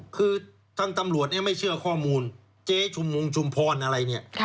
คือทางตำรวจเนี่ยไม่เชื่อข้อมูลเจ๊ชุมวงชุมพรอะไรเนี่ย